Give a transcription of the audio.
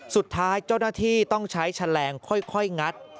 สุดท้ายเจ้าหน้าที่ต้องใช้แฉลงค่อยงัด